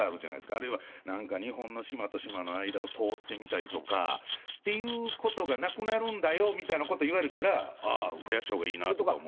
あるいは、なんか日本の島と島の間を通ってみたりとかっていうことがなくなるんだよみたいなことを言われたら、ああ増やしたほうがいいなって思うんですよ。